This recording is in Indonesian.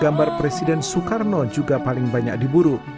gambar presiden soekarno juga paling banyak diburu